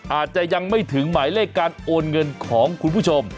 อาจจะยังไม่ถึงหมายเลขการโอนเงินของคุณผู้ชม